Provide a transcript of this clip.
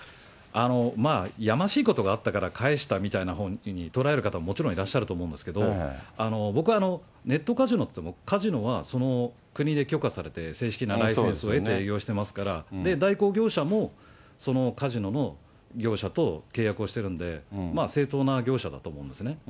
まあやましいことがあったから返したみたいなほうに捉える方ももちろんいらっしゃると思うんですけど、僕はネットカジノって、カジノはその国で許可されて、正式なライセンスを得て営業してますから、代行業者もそのカジノの業者と契約をしてるんで、正当な業者だと思うんですね。